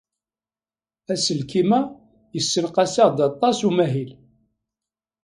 Aselkim-a yessenqas-aɣ-d aṭas umahil.